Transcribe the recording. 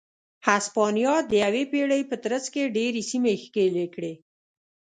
هسپانیا د یوې پېړۍ په ترڅ کې ډېرې سیمې ښکېلې کړې.